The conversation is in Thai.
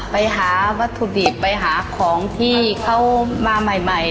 ไปหาวัตถุดิบไปหาของที่เขามาใหม่